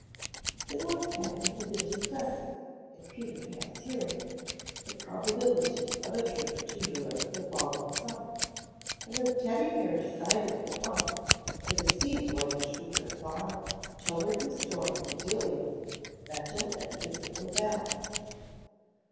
The North family had been discussing, in Peter Pan's hearing, the probability of a trip to Europe the following summer, and the Teddy bear decided at once that a sea voyage would go far toward restoring Bedelia's mental and physical balance.